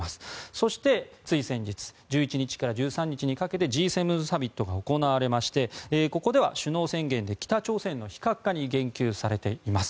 そしてつい先日１１日から１３日にかけてＧ７サミットが行われましてここでは首脳宣言で北朝鮮の非核化に言及されています。